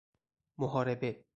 محاربه